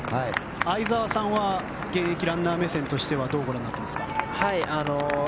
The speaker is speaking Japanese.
相澤さんは現役ランナー目線としてはどうご覧になっていますか？